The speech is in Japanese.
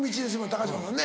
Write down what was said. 高嶋さんね。